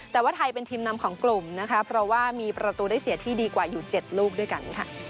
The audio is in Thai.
แต่ว่าไทยเป็นทีมนำของกลุ่มนะคะเพราะว่ามีประตูได้เสียที่ดีกว่าอยู่๗ลูกด้วยกันค่ะ